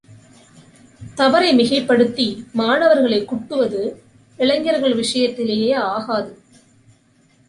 தவறை மிகைப்படுத்தி, மாணவர்களைக் குட்டுவது, இளைஞர்கள் விஷயத்திலேயே ஆகாது.